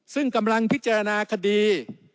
ซึ่งกำลังพิจารณาคดี